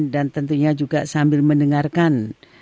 dan tentunya juga sambil mendengarkan